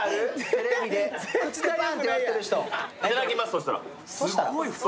そしたら？